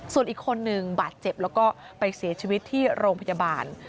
ส่วนอีกคนนึงบาดเจ็บแล้วก็ไปเสียชีวิตที่โรงพยาบาล